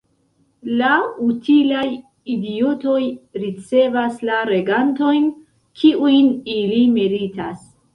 La utilaj idiotoj ricevas la regantojn kiujn ili meritas.